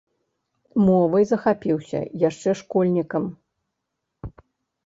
Мовай захапіўся яшчэ школьнікам.